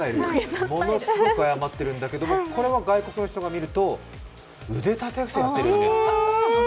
ものすごく謝ってるんだけど、これは外国の人が見ると腕立て伏せをやっているように見える。